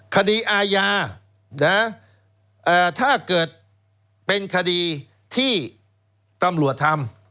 คดีอาญาถ้าเกิดเป็นคดีที่ตำรวจทำ